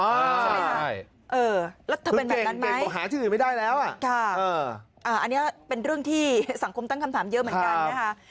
เออแล้วถ้าเป็นแบบนั้นไหมอันนี้เป็นเรื่องที่สังคมตั้งคำถามเยอะเหมือนกันนะฮะ